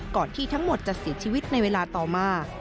ที่ทั้งหมดจะเสียชีวิตในเวลาต่อมา